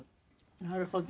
なるほど。